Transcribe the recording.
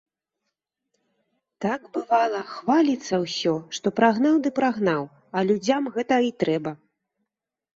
Так, бывала, хваліцца ўсё, што прагнаў ды прагнаў, а людзям гэта і трэба.